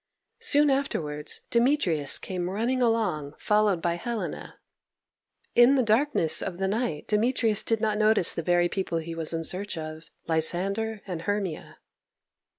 Soon afterwards Demetrius came running along, followed by Helena. In the darkness of the night Demetrius did not notice the very people he was in search of Lysander and Hermia.